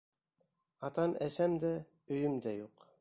Атам-әсәм дә, өйөм дә юҡ.